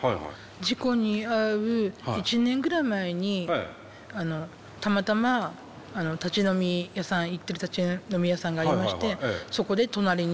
事故に遭う１年ぐらい前にたまたま行ってる立ち飲み屋さんがありましてそこで隣にいた方で。